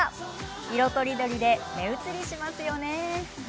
色とりどりで目移りしますよね。